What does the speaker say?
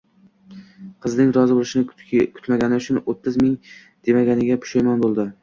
Qizning rozi bo`lishini kutmagani uchun o`ttiz ming demaganiga pushaymon bo`ldi